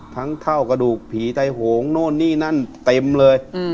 เท่ากระดูกผีไทยโหงโน่นนี่นั่นเต็มเลย